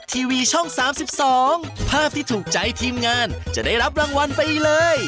ทีมงานจะได้รับรางวัลไปเลย